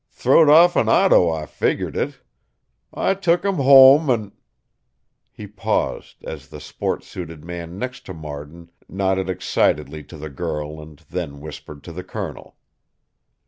Throwed off'n a auto, I figgered it. I took him home an' " He paused, as the sport suited man next to Marden nodded excitedly to the girl and then whispered to the Colonel.